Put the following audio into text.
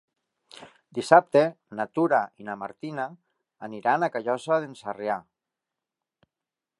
Dissabte na Tura i na Martina aniran a Callosa d'en Sarrià.